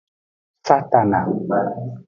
Satana.